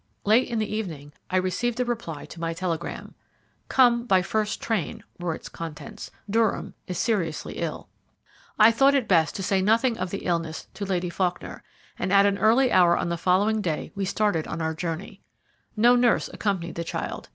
Late in the evening I received a reply to my telegram. "Come by first possible train," were its contents. "Durham is seriously ill." I thought it best to say nothing of the illness to Lady Faulkner, and at an early hour on the following day we started on our journey. No nurse accompanied the child.